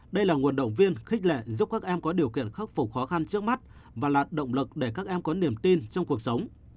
đây là nguồn động viên khích lệ giúp các em có điều kiện khắc phục khó khăn trước mắt và là động lực để các em có niềm tin trong cuộc sống